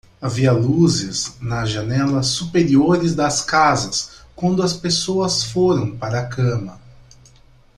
Havia luzes nas janelas superiores das casas quando as pessoas foram para a cama.